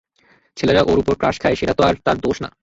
ছেলেরা ওর ওপর ক্রাশ খায় - সেটা তো আর তার দোষ না।